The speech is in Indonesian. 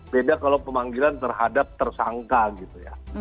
beda kalau pemanggilan terhadap tersangka gitu ya